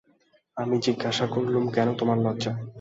আমি জিজ্ঞাসা করলুম, কেন তোমার লজ্জা?